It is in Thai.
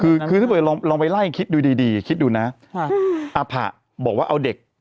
คือคือถ้าเกิดลองไปไล่คิดดูดีดีคิดดูนะอภะบอกว่าเอาเด็ก